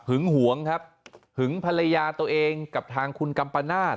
หวงครับหึงภรรยาตัวเองกับทางคุณกัมปนาศ